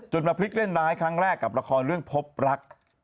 มาพลิกเล่นร้ายครั้งแรกกับละครเรื่องพบรัก